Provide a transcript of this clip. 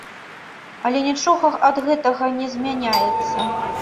Але нічога ад гэтага не змяняецца.